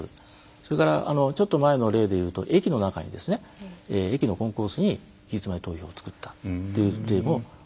それからちょっと前の例で言うと駅の中に駅のコンコースに期日前投票を作ったという例もありますので。